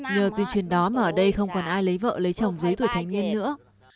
nhờ tuyên truyền đó mà ở đây không còn ai lấy vợ lấy chồng dưới tuổi thanh niên nữa